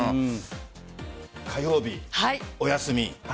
火曜日、お休み。